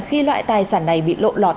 khi loại tài sản này bị lộ lọt